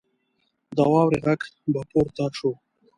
د واورې غږ به پورته شو.